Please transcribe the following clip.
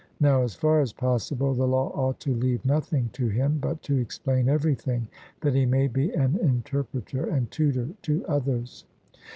Now, as far as possible, the law ought to leave nothing to him, but to explain everything, that he may be an interpreter and tutor to others.